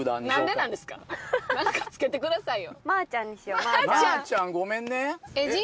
何か付けてくださいよ！